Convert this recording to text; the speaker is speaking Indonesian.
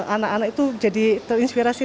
anak anak itu jadi terinspirasi